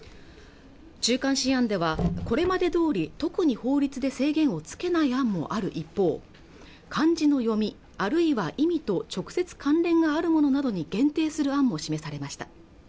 中間試案ではこれまでどおり特に法律で制限をつけない案もある一方漢字の読みあるいは意味と直接関連があるものなどに限定する案も示されました